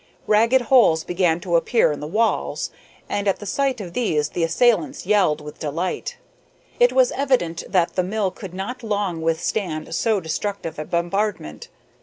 Ragged holes began to appear in the walls, and at the sight of these the assailants yelled with delight. It was evident that, the mill could not long withstand so destructive a bombardment.